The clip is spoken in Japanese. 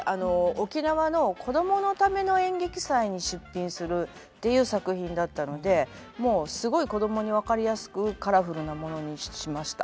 沖縄の子供のための演劇祭に出品するっていう作品だったのでもうすごい子供に分かりやすくカラフルなものにしました。